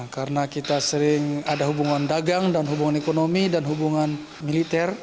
karena kita sering ada hubungan dagang dan hubungan ekonomi dan hubungan militer